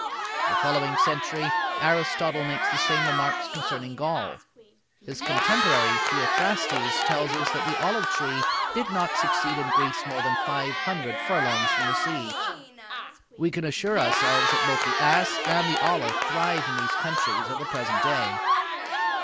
The following century Aristotle makes the same remarks concerning Gaul. His contemporary, Theophrastes, tells us that the olive tree did not succeed in Greece more than five hundred furlongs from the sea. We can assure ourselves that both the ass and the olive thrive in these countries at the present day.